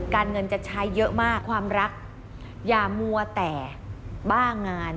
การเงินจะใช้เยอะมากความรักอย่ามัวแต่บ้างาน